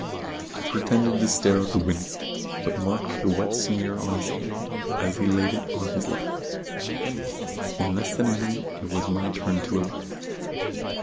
I pretended to stare out of the window, but marked the wet smear on his hand as he laid it on his lap. In less than a minute it was my turn to alight.